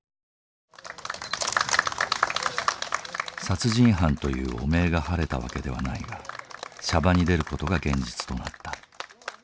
「殺人犯」という汚名が晴れたわけではないが娑婆に出る事が現実となった。